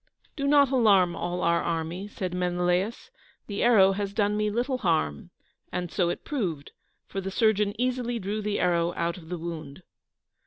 "Do not alarm all our army," said Menelaus, "the arrow has done me little harm;" and so it proved, for the surgeon easily drew the arrow out of the wound.